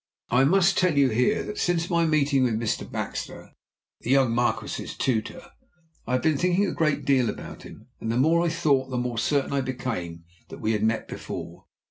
I must tell you here that since my meeting with Mr. Baxter, the young Marquis's tutor, I had been thinking a great deal about him, and the more I thought the more certain I became that we had met before.